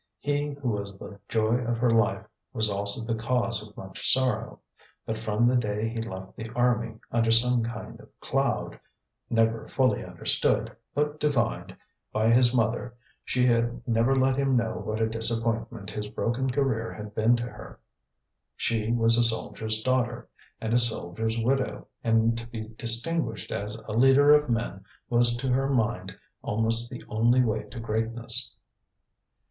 He who was the joy of her life was also the cause of much sorrow; but from the day he left the Army, under some kind of cloud, never fully understood, but divined, by his mother, she had never let him know what a disappointment his broken career had been to her. She was a soldier's daughter, and a soldier's widow; and to be distinguished as a leader of men was to her mind almost the only way to greatness.